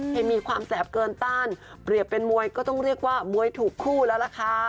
มีความแสบเกินต้านเปรียบเป็นมวยก็ต้องเรียกว่ามวยถูกคู่แล้วล่ะค่ะ